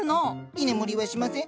居眠りしません！